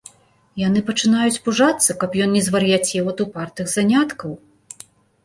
Яны пачынаюць пужацца, каб ён не звар'яцеў ад упартых заняткаў.